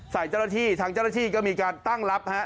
ใส่จัดละที่ทางจัดละที่ก็มีการตั้งรับ